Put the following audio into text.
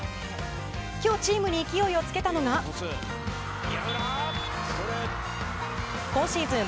今日チームに勢いをつけたのが今シーズン